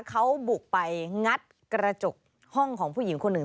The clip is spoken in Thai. เขาบุกไปงัดกระจกห้องของผู้หญิงคนหนึ่ง